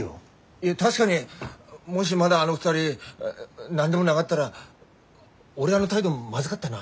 いや確かにもしまだあの２人何でもながったら俺あの態度まずがったな。